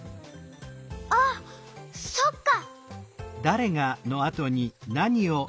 あっそっか！